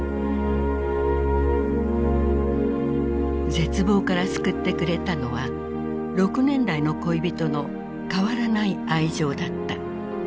絶望から救ってくれたのは６年来の恋人の変わらない愛情だった。